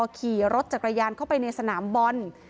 ขี่รถจักรยานเข้าไปในสนามบอล